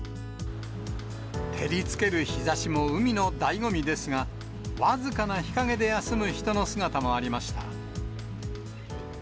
照りつける日ざしも海のだいご味ですが、僅かな日陰で休む人の姿もありました。